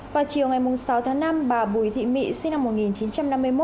vào chiều ngày sáu tháng năm bà bùi thị mị sinh năm một nghìn chín trăm năm mươi một